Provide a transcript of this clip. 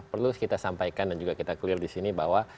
perlu kita sampaikan dan juga kita clear di sini bahwa